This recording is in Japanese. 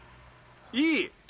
いい！